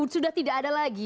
sudah tidak ada lagi